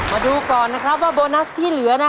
มาดูก่อนนะครับว่าโบนัสที่เหลือ